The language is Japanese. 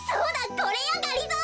これよがりぞー！